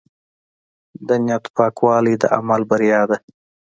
د نیت پاکوالی د عمل بریا ده.